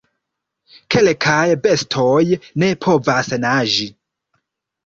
Kelkaj bestoj ne povas naĝi.